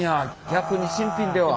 逆に新品では。